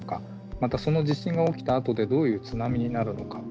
またその地震が起きたあとでどういう津波になるのか。